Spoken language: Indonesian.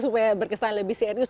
supaya berkesan lebih serius